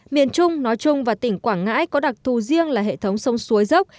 miền trung nói chung và tỉnh quảng ngãi có đặc thù riêng là hệ thống sông suối dốc